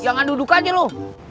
jangan duduk aja lu